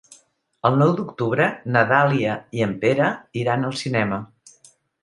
El nou d'octubre na Dàlia i en Pere iran al cinema.